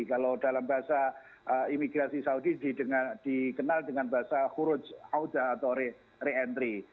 kalau dalam bahasa imigrasi saudi dikenal dengan bahasa huruj auda atau re entry